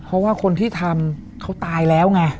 เพราะว่าคนที่ทำเขาตายแล้วไง